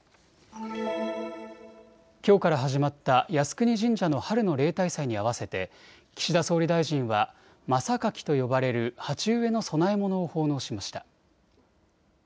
きょうから始まった靖国神社の春の例大祭に合わせて岸田総理大臣は真榊と呼ばれる鉢植えの供え物を奉納しました。